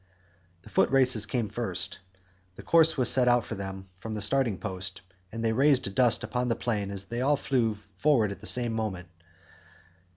The foot races came first. The course was set out for them from the starting post, and they raised a dust upon the plain as they all flew forward at the same moment.